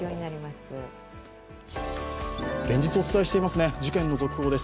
連日お伝えしていますね、事件の続報です。